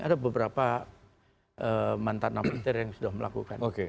ada beberapa mantanam liter yang sudah melakukan